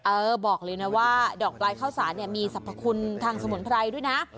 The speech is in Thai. เออบอกเลยนะว่าดอกปลายข้าวสารเนี่ยมีสรรพคุณทางสมุนไพรด้วยนะ